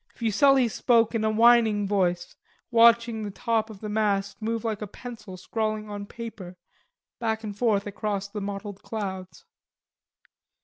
Fuselli spoke in a whining voice, watching the top of the mast move like a pencil scrawling on paper, back and forth across the mottled clouds.